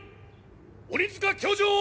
鬼塚教場！